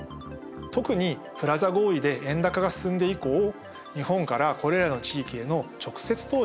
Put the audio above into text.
特にプラザ合意で円高が進んで以降日本からこれらの地域への直接投資が急激に増加しました。